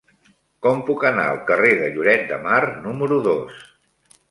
Com puc anar al carrer de Lloret de Mar número dos?